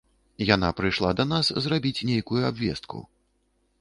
Яна прыйшла да нас зрабіць нейкую абвестку.